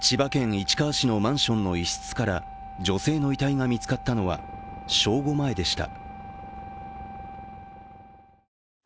市川市のマンションの一室から女性の遺体が見つかったのは、正午前でした。